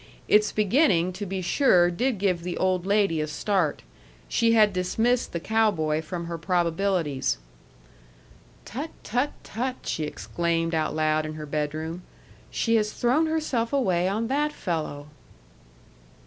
Its beginning, to be sure, did give the old lady a start; she had dismissed the cow boy from her probabilities. "Tut, tut, tut!" she exclaimed out loud in her bedroom. "She has thrown herself away on that fellow!"